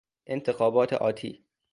انتخابات آتی